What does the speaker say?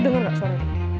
lo denger gak suara itu